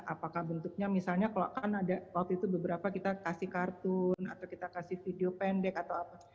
apakah bentuknya misalnya kalau kan ada waktu itu beberapa kita kasih kartun atau kita kasih video pendek atau apa